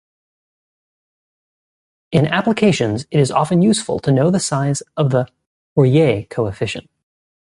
In applications, it is often useful to know the size of the Fourier coefficient.